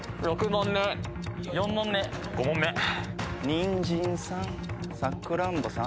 「にんじんさんさくらんぼさん」